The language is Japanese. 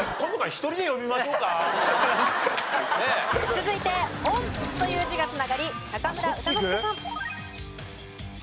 続いて「温」という字が繋がり中村歌之助さん。